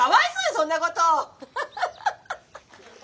そんなこと！